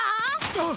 あっ！